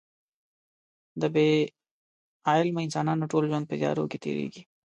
د بې علمه انسانانو ټول ژوند په تیارو کې تېرېږي.